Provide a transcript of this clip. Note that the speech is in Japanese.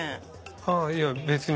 あぁいや別に。